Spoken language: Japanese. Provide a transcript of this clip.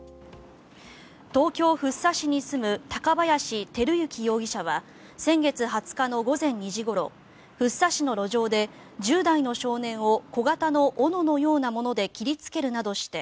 東京・福生市に住む高林輝行容疑者は先月２０日の午前２時ごろ福生市の路上で１０代の少年を小型の斧のようなもので切りつけるなどして